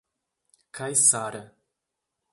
Caiçara